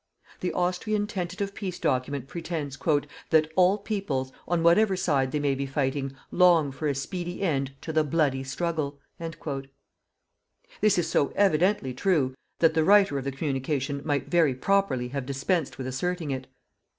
The Austrian tentative peace document pretends "that all peoples, on whatever side they may be fighting, long for a speedy end to the bloody struggle." This is so evidently true that the writer of the communication might very properly have dispensed with asserting it.